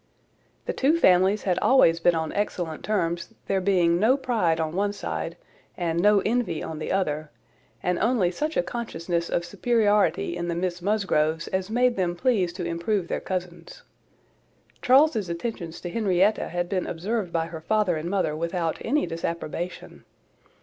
The two families had always been on excellent terms, there being no pride on one side, and no envy on the other, and only such a consciousness of superiority in the Miss Musgroves, as made them pleased to improve their cousins. Charles's attentions to Henrietta had been observed by her father and mother without any disapprobation.